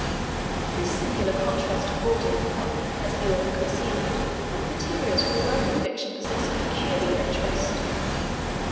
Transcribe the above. This singular contrast afforded, as the author conceived, materials for a work of fiction possessing peculiar interest.